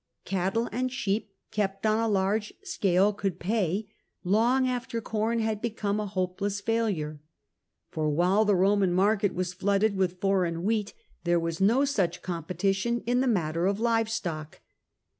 Cattle and sheep, kept on a large scale, could pay, long after corn had become a hopeless failure. For while the Roman market was flooded with foreign wheat, there was no such competition in the matter of live stock.